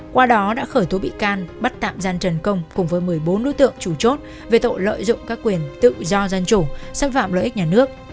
qua đó đã khởi tố bị can bắt tạm giam trần công cùng với một mươi bốn đối tượng chủ chốt về tội lợi dụng các quyền tự do dân chủ xâm phạm lợi ích nhà nước